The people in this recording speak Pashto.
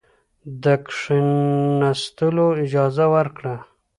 د کښېنستلو اجازه ورکړه.